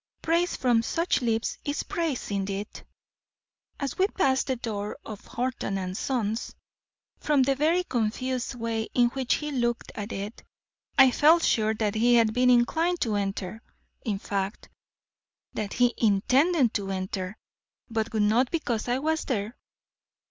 "Praise from such lips is praise, indeed! As we passed the door of Horton & Sons, from the very confused way in which he looked at it, I felt sure that he had been inclined to enter in fact, that he intended to enter, but would not because I was there.